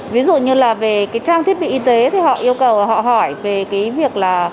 ví dụ như là về cái trang thiết bị y tế thì họ yêu cầu họ hỏi về cái việc là